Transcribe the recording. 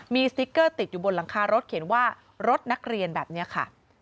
มีสติ๊กเกอร์ติดอยู่บนหลังคารถเขียนว่ารถนักเรียนแบบนี้ค่ะ